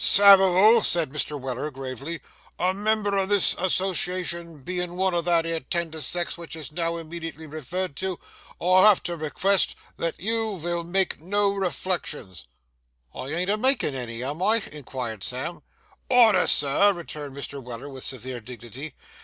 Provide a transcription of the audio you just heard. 'Samivel,' said Mr. Weller, gravely, 'a member o' this associashun bein' one o' that 'ere tender sex which is now immedetly referred to, I have to rekvest that you vill make no reflections.' 'I ain't a makin' any, am I?' inquired Sam. 'Order, sir!' rejoined Mr. Weller, with severe dignity.